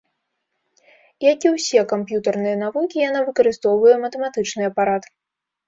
Як і ўсе камп'ютарныя навукі, яна выкарыстоўвае матэматычны апарат.